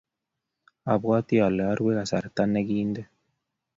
abwatii ale arue kasarta nekinde.